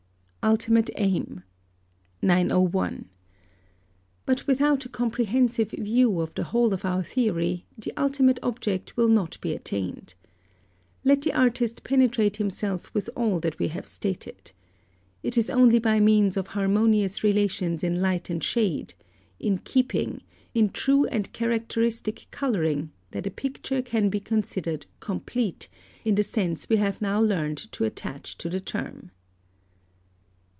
ULTIMATE AIM. 901. But without a comprehensive view of the whole of our theory, the ultimate object will not be attained. Let the artist penetrate himself with all that we have stated. It is only by means of harmonious relations in light and shade, in keeping, in true and characteristic colouring, that a picture can be considered complete, in the sense we have now learnt to attach to the term.